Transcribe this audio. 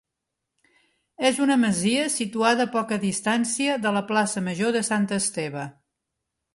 És una masia situada a poca distància de la plaça major de Sant Esteve.